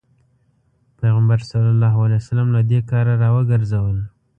پيغمبر ص له دې کاره راوګرځول.